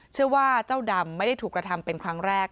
เชื่อว่าเจ้าดำไม่ได้ถูกกระทำเป็นครั้งแรก